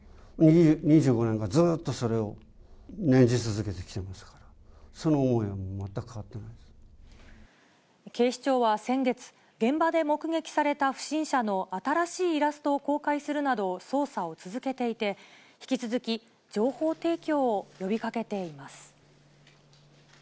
２５年間、ずっとそれを念じ続けていますから、警視庁は先月、現場で目撃された不審者の新しいイラストを公開するなど、捜査を続けていて、引き続き、情報提供を呼びかけています。